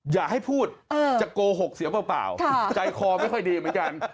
อย่าให้พูดจะโกหกเสียเปล่าใจคอไม่ค่อยดีเหมือนกัน